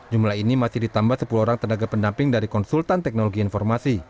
jumlah ini masih ditambah sepuluh orang tenaga pendamping dari konsultan teknologi informasi